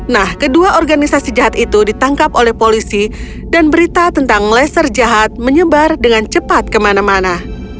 nah kedua organisasi jahat itu ditangkap oleh polisi dan berita tentang laser jahat menyebar dengan cepat kemana mana